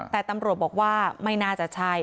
แต่ตำรวจบอกว่าไม่น่าจะใช่